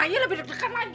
ayo lebih dekat dekat lagi